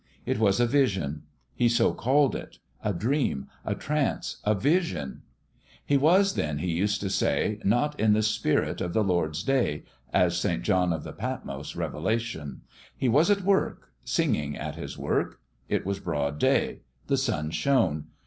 It was a vision : he so called it a dream, a trance, a vision. He was then, he used to say, not in the spirit of the Lord's day, as St. John of the Patmos revelation ; he was at work singing 166 THEOLOGICAL TRAINING at his work. It was broad day. The sun shone.